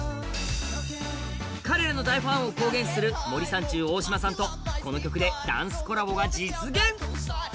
彼らの大ファンを公言する森三中・大島さんとこの曲でダンスコラボが実現。